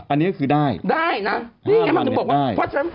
อันนี้ก็คือได้๕๐๐๐บาทได้